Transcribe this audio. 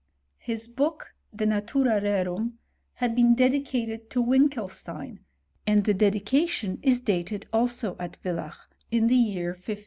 * His book, De Natura Rerum, had been dedicated to Winkelstein, and the dedication is dated also at Villach, in the year 1537.